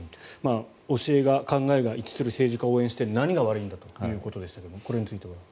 教え、考えが一致する政治家を応援して何が悪いんだということでしたがこれについては。